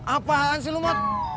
apaan sih lu mot